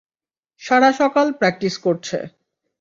সারা সকাল প্র্যাকটিস করছে।